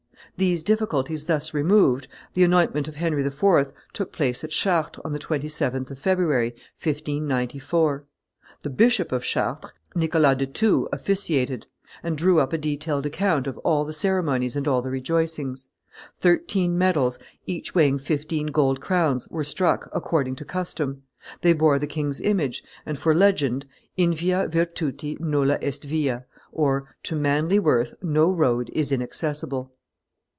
These difficulties thus removed, the anointment of Henry IV. took place at Chartres on the 27th of February, 1594; the Bishop of Chartres, Nicholas de Thou, officiated, and drew up a detailed account of all the ceremonies and all the rejoicings; thirteen medals, each weighing fifteen gold crowns, were struck, according to custom; they bore the king's image, and for legend, Invia virtuti nulla est via (To manly worth no road is inaccessible).